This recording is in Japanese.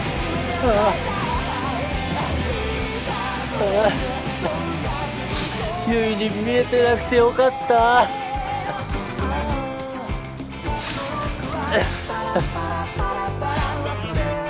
あ悠依に見えてなくてよかったお？